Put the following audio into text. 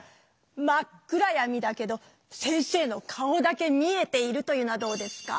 真っ暗やみだけど先生の顔だけ見えているというのはどうですか？